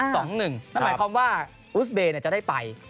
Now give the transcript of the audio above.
นั่นหมายความว่าอุสเบย์จะได้ไป